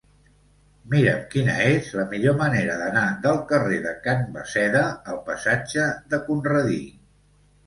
Mira'm quina és la millor manera d'anar del carrer de Can Basseda al passatge de Conradí.